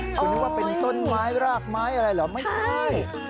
คุณนึกว่าเป็นต้นไม้รากไม้อะไรเหรอไม่ใช่